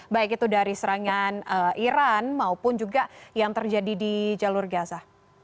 baik itu dari serangan iran maupun juga yang terjadi di jalur gaza